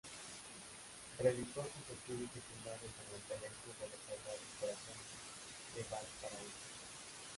Realizó sus estudios secundarios en el Colegio de los Sagrados Corazones de Valparaíso.